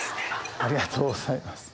ありがとうございます。